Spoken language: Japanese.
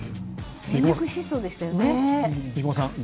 全力疾走でしたよね。